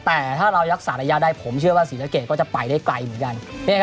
แต่ถ้าเรารักษาระยะได้ผมเชื่อว่าศรีสะเกดก็จะไปได้ไกลเหมือนกัน